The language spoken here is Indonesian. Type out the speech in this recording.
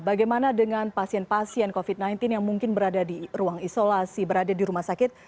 bagaimana dengan pasien pasien covid sembilan belas yang mungkin berada di ruang isolasi berada di rumah sakit